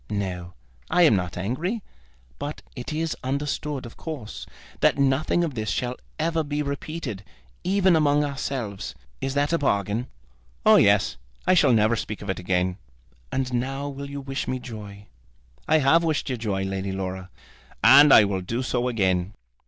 "No, I am not angry. But it is understood, of course, that nothing of this shall ever be repeated, even among ourselves. Is that a bargain?" "Oh, yes. I shall never speak of it again." "And now you will wish me joy?" "I have wished you joy, Lady Laura. And I will do so again.